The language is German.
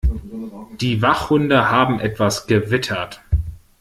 Die Wachhunde haben etwas gewittert.